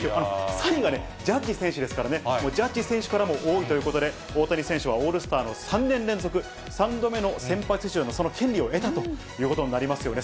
３位がジャッジ選手ですからね、もうジャッジ選手からも多いということで、大谷選手はオールスターの３年連続３度目の先発出場のその権利を得たということになりますよね。